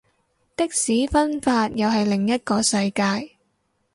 的士分法又係另一個世界